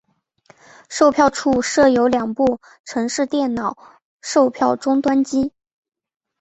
售票处设有两部城市电脑售票终端机。